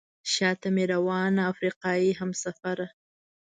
شاته مې روانه افریقایي همسفره.